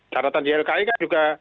daratan ylki kan juga